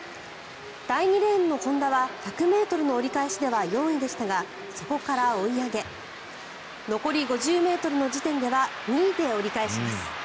第２レーンの本多は１００ｍの折り返しでは４位でしたがそこから追い上げ残り５０ｍの時点では２位で折り返します。